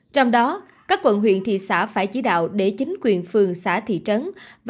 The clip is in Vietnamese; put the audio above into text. trong đó các quận huyện thị xã phải chỉ đạo để chính quyền phường xã thị trấn và